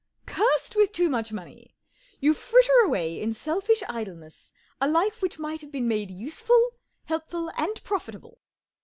44 Cursed with too much money, you fritter away in selfish idleness a life which might have been made useful, helpful, and profitable.